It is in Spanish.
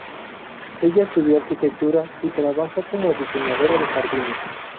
Ella estudió arquitectura, y trabaja como diseñadora de jardines.